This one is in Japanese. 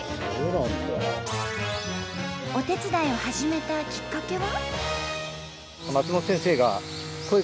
お手伝いを始めたきっかけは？